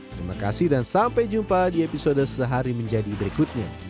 terima kasih dan sampai jumpa di episode sehari menjadi berikutnya